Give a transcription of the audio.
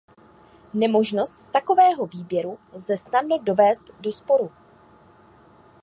Nemožnost takového výběru lze snadno dovést do sporu.